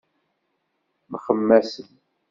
Mxemmasen.